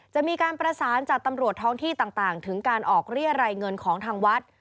จะมีการประสานจากตำรวจท้องที่ต่างถึงการออกเรียรัยเงินของทางวัด